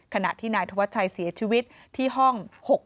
ขณะที่นายธวัชชัยเสียชีวิตที่ห้อง๖๗